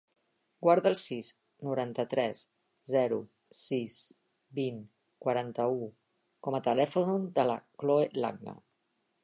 Guarda el sis, noranta-tres, zero, sis, vint, quaranta-u com a telèfon de la Chloe Langa.